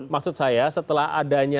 maksud saya setelah adanya